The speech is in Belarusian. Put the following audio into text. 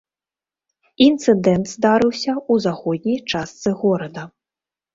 Інцыдэнт здарыўся ў заходняй частцы горада.